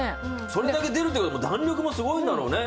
それだけ出るってことは弾力がすごいんだろうね。